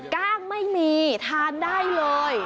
กล้างไม่มีทานได้เลย